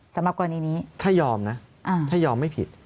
สำหรับกรณีนี้ถ้ายอมนะถ้ายอมไม่ผิด